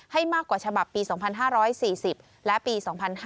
ให้มากกว่าฉบับปี๒๕๔๐และปี๒๕๕๙